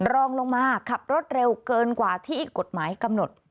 รองลงมาขับรถเร็วเกินกว่าที่กฎหมายกำหนด